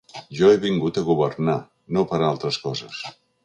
Jo he vingut a governar… no per a altres coses.